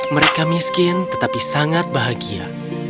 mereka miskin tetapi sangat bahagia